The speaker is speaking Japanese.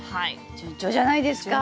順調じゃないですか。